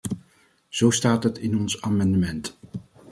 Zo staat het in ons amendement.